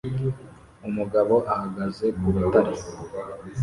Umugabo ahagaze ku rutare